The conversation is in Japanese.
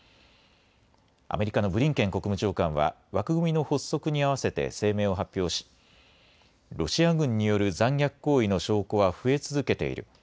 アメリカのブリンケン国務長官は枠組みの発足にあわせて声明を発表しロシア軍による残虐行為の証拠は増え続けている。